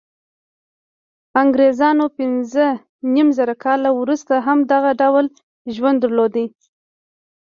انګرېزانو پنځه نیم زره کاله وروسته هم دغه ډول ژوند درلود.